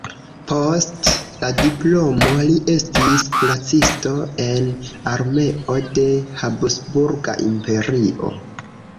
Post la diplomo li estis kuracisto en armeo de Habsburga Imperio.